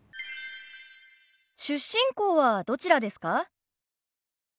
出身校はどちらですか？